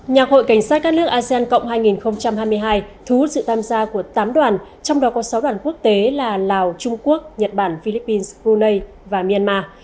nhạc hội cảnh sát các nước asean cộng hai nghìn hai mươi hai thu hút sự tham gia của tám đoàn trong đó có sáu đoàn quốc tế là lào trung quốc nhật bản philippines brunei và myanmar